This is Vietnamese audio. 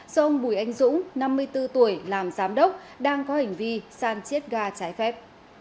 do ông bùi anh dũng năm mươi bốn tuổi làm giám đốc đang có hành vi san chiết ga trái phép